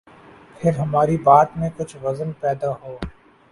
پھر ہماری بات میں کچھ وزن پیدا ہو۔